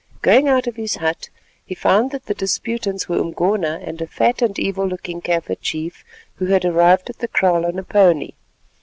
Going out of his hut he found that the disputants were Umgona and a fat and evil looking Kaffir chief who had arrived at the kraal on a pony.